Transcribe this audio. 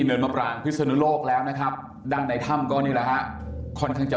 เนินมะปรางพิศนุโลกแล้วนะครับด้านในถ้ำก็นี่แหละฮะค่อนข้างจะ